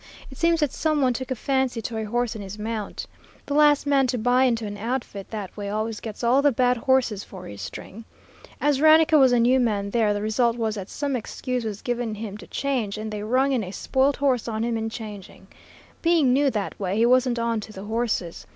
It seems that some one took a fancy to a horse in his mount. The last man to buy into an outfit that way always gets all the bad horses for his string. As Raneka was a new man there, the result was that some excuse was given him to change, and they rung in a spoilt horse on him in changing. Being new that way, he wasn't on to the horses.